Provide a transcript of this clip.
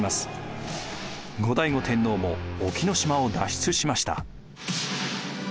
後醍醐天皇も隠岐島を脱出しました。